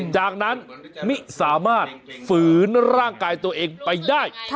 จากนั้นมิสามารถฝืนร่างกายตัวเองไปได้